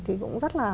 thì cũng rất là